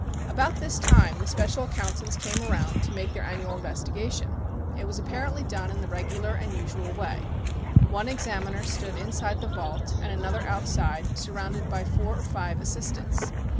About this time the special accountants came around to make their annual investigation. It was apparently done in the regular and usual way. One examiner stood inside the vault and another outside, surrounded by four or five assistants.